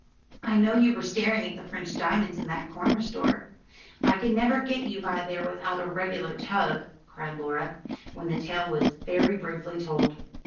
"I know you were staring at the French diamonds in that corner store. I never can get you by there without a regular tug," cried Laura, when the tale was very briefly told.